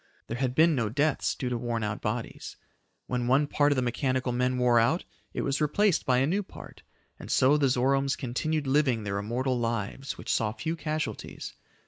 There had been no deaths due to worn out bodies. When one part of the mechanical men wore out, it was replaced by a new part, and so the Zoromes continued living their immortal lives which saw few casualties.